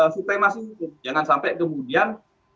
supremasi hukum jangan sampai kemudian